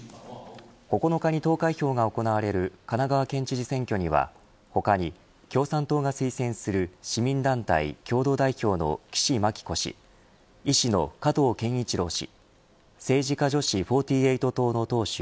９日に投開票が行われる神奈川県知事選挙には他に共産党が推薦する市民団体共同代表の岸牧子氏医師の加藤健一郎氏